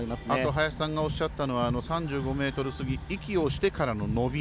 林さんがおっしゃったのは３５ｍ過ぎ息をしてからの伸び